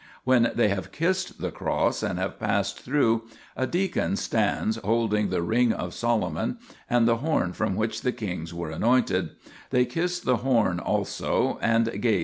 When they have kissed the Cross and have passed through, a deacon stands holding the ring of Solomon and the horn from which the kings were anointed ; they kiss the horn also and gaze at the r ring 2